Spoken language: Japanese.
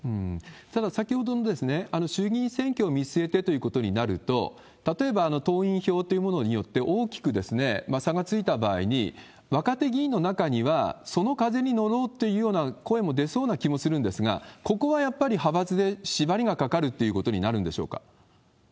ただ、先ほどの衆議院選挙を見据えてということになると、例えば党員票というものによって、大きく差がついた場合に、若手議員の中にはその風に乗ろうっていうような声も出そうな気もするんですが、ここはやっぱり派閥で縛りがかかるっていうことになるんでしょう